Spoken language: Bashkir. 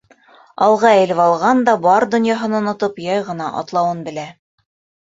Алға эйелеп алған да, бар донъяһын онотоп, яй ғына атлауын белә.